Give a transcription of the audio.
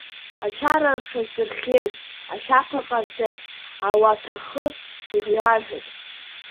Ачара рҽаздырхиеит, ашьаԥа ҟарҵеит, ауа, аҭахы ирарҳәеит.